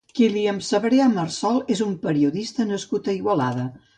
Kílian Sebrià Marsol és un periodista nascut a Igualada.